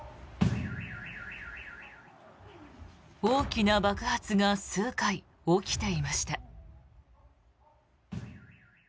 大きな爆発が数回起きていました。